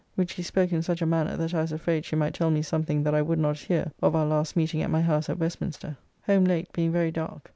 Which she spoke in such a manner that I was afraid she might tell me something that I would not hear of our last meeting at my house at Westminster. Home late, being very dark.